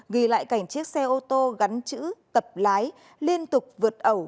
ghi lại cảnh chiếc xe ô tô gắn chữ tập lái liên tục vượt ẩu